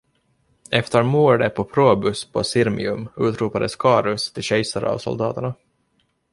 Efter mordet på Probus på Sirmium utropades Carus till kejsare av soldaterna.